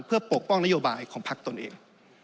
เพื่อปกป้องนโยบายของพักตนเอง